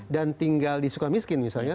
dan tinggal disuka miskin misalnya